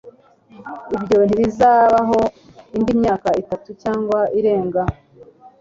Ibyo ntibizabaho indi myaka itatu cyangwa irenga